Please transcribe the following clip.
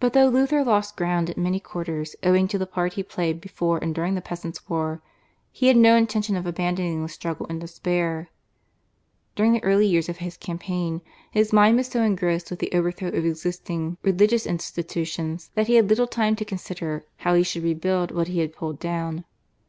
But though Luther lost ground in many quarters owing to the part he played before and during the Peasants' War, he had no intention of abandoning the struggle in despair. During the early years of his campaign his mind was so engrossed with the overthrow of existing religious institutions, that he had little time to consider how he should rebuild what he had pulled down.